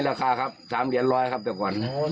เพราะทนายอันนันชายเดชาบอกว่าจะเป็นการเอาคืนยังไง